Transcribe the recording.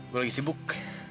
gue lagi sibuk